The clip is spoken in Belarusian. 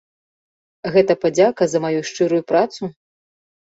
Гэта падзяка за маю шчырую працу?!